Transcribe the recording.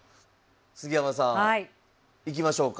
杉山さん行きましょうか。